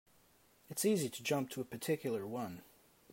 It's easy to jump to a particular one.